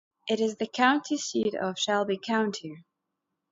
It is the county seat of Shelby County.